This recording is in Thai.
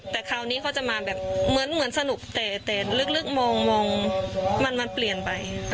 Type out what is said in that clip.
แต่คราวนี้เขาจะมาแบบเหมือนสนุกแต่ลึกมองมันเปลี่ยนไป